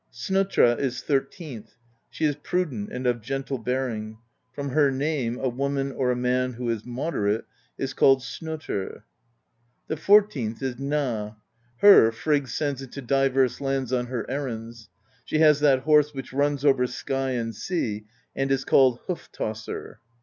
Snotra is thir teenth: she is prudent and of gentle bearing; from her name a woman or a man who is moderate is called snotr.^ The fourteenth is Gna: her Frigg sends into divers lands on her errands ; she has that horse which runs over sky and sea and is called Hoof Tosser.